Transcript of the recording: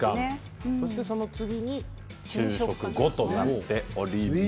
そしてその次に昼食後となっております。